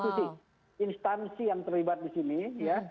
ada enam instansi yang terlibat di sini ya